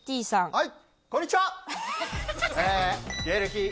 はい。